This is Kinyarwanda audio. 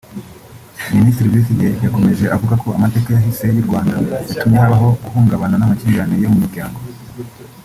Minisitiri Busingye yakomeje avuga ko amateka yahise y’u Rwanda yatumye habaho guhungabana n’amakimbirane yo mu miryango